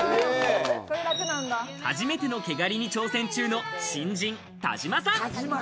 初めての毛刈りに挑戦中の新人・田島さん。